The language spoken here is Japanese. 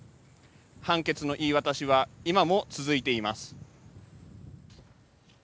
判決の言い渡しは今も続いています。